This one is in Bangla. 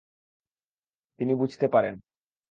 তিনি বুঝতে পারেন ।